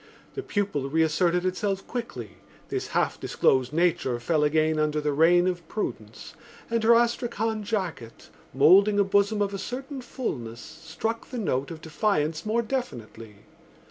The pupil reasserted itself quickly, this half disclosed nature fell again under the reign of prudence, and her astrakhan jacket, moulding a bosom of a certain fullness, struck the note of defiance more definitely.